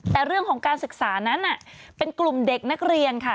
แต่เรื่องของการศึกษานั้นเป็นกลุ่มเด็กนักเรียนค่ะ